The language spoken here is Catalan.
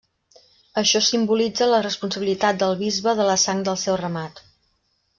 Això simbolitza la responsabilitat del bisbe de la sang del seu ramat.